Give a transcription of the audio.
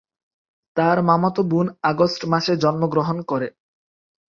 তার মামাতো বোন আগস্ট মাসে জন্মগ্রহণ করে।